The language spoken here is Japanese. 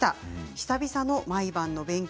久々の毎晩の勉強。